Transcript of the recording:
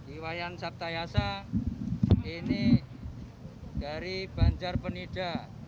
iwayan sabtayasa ini dari banjar penida